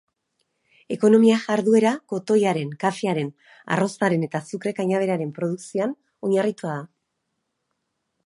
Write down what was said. Ekonomia-jarduera kotoiaren, kafearen, arrozaren eta azukre-kanaberaren produkzioan oinarritua da.